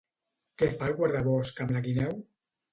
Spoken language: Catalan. Què fa el guardabosc amb la guineu?